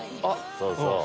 そうそう。